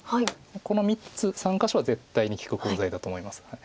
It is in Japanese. この３つ３箇所は絶対に利くコウ材だと思います。